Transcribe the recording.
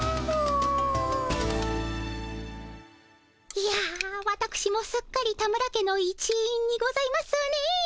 いやわたくしもすっかり田村家の一員にございますね。